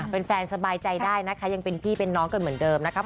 แฟนสบายใจได้นะคะยังเป็นพี่เป็นน้องกันเหมือนเดิมนะครับ